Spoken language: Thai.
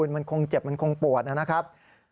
มันคงเจ็บมันคงปวดนะครับ